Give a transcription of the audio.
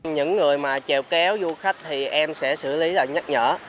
những người mà trèo kéo du khách thì em sẽ xử lý và nhắc nhở